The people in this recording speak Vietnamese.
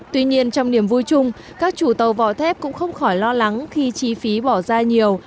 tuy nhiên trong niềm vui chung các chủ tàu vỏ thép cũng không khỏi lo lắng khi chi phí bỏ ra nhiều